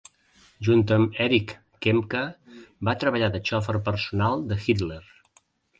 Junt amb Erich Kempka, va treballar de xofer personal de Hitler.